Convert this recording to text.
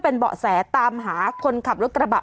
เปิดไฟขอทางออกมาแล้วอ่ะ